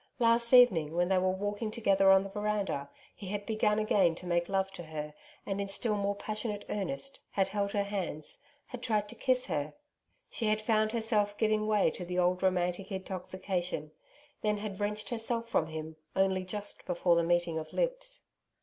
Last evening when they were walking together on the veranda he had begun again to make love to her, and in still more passionate earnest had held her hands had tried to kiss her. She had found herself giving way to the old romantic intoxication then had wrenched herself from him only just before the meeting of lips.